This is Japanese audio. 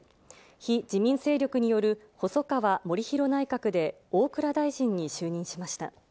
非自民勢力による細川護熙内閣で、大蔵大臣に就任しました。